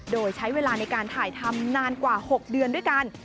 โดยใช้เวลาในการถ่ายทำนานกว่า๖เดือนด้วยกัน